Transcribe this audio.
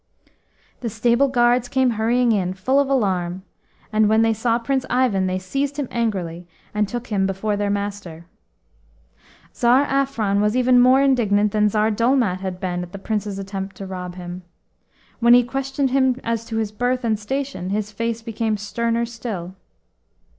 The stable guards came hurrying in, full of alarm, and when they saw Prince Ivan they seized him angrily, and took him before their master. Tsar Afron was even more indignant than Tsar Dolmat had been at the Prince's attempt to rob him. When he questioned him as to his birth and station his face became sterner still.